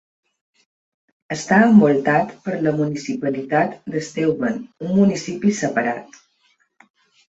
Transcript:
Està envoltat per la municipalitat d'Steuben, un municipi separat.